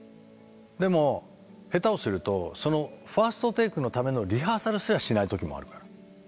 でも下手をするとそのファーストテイクのためのリハーサルすらしない時もあるから。